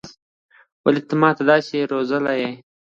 ولې ته ما داسې روزلى يې.